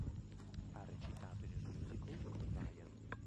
Ha recitato in un musical con Ryan.